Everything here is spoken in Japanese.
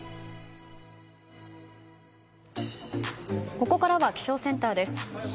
ここからは気象センターです。